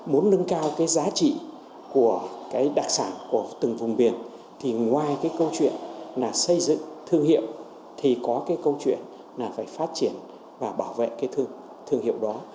muốn nâng cao giá trị của đặc sản từng vùng biển thì ngoài câu chuyện xây dựng thương hiệu thì có câu chuyện phải phát triển và bảo vệ thương hiệu đó